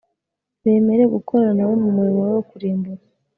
bemere gukorana na we mu murimo we wo kurimbura